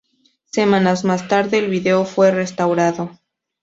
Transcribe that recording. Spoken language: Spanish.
Semanas más tarde, el video fue restaurado.